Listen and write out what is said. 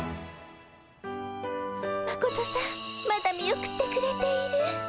マコトさんまだ見送ってくれている。